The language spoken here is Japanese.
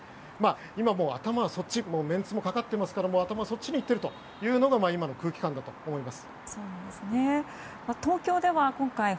今も頭はそっちメンツもかかっていますから頭はそっちにいっているというのが今の空気感だと思います。